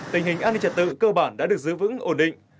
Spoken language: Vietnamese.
tình hình an ninh trật tự cơ bản đã được giữ vững ổn định